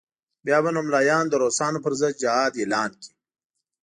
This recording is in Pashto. بیا به نو ملایان د روسانو پر ضد جهاد اعلان کړي.